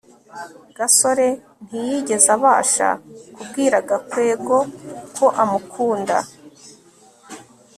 gasore ntiyigeze abasha kubwira gakwego ko amukunda